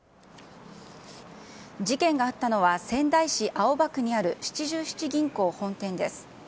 事件があったのは、仙台市青葉区にある七十七銀行本店です。